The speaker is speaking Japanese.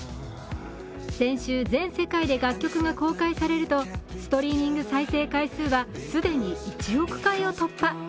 先週、全世界で楽曲が公開されるとストリーミング再生回数は既に１億回を突破。